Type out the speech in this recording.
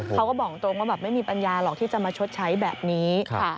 เขาก็บอกตรงว่าแบบไม่มีปัญญาหรอกที่จะมาชดใช้แบบนี้